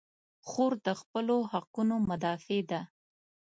خور د خپلو حقونو مدافع ده.